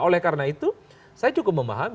oleh karena itu saya cukup memahami